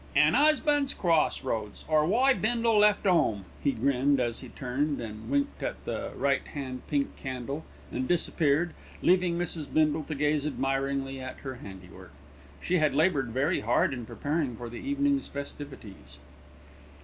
"An 'usband's cross roads, or why Bindle left 'ome," he grinned as he turned, winked at the right hand pink candle and disappeared, leaving Mrs. Bindle to gaze admiringly at her handiwork. She had laboured very hard in preparing for the evening's festivities.